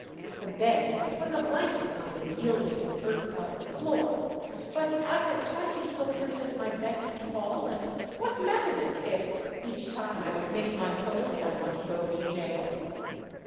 The " bed " was a blanket on the yielding, earth covered floor ; but I had twenty sol diers at my beck and call, and what mattered it if, each time I would make my toilet, I must go to jail?